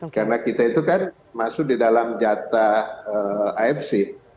karena kita itu kan masuk di dalam jatah afc